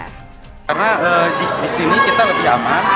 karena di sini kita lebih aman